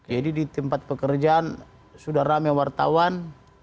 jadi di tempat pekerjaan sudah ramai wartawan